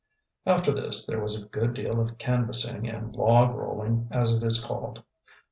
After this there was a good deal of canvassing and "log rolling" as it is called.